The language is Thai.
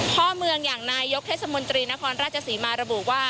พ่อเมืองอย่างนายกเทศมนตรีนครราชศรีมาระบุว่า